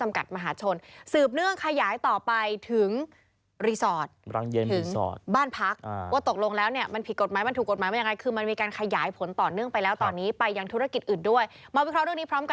มาวิเคราะห์เรื่องนี้พร้อมกันกับคุณสุภาพคลิกภัยค่ะ